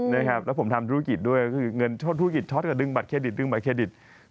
แล้วผมทำธุรกิจด้วยคือเงินชดธุรกิจช็อตกับดึงบัตรเครดิต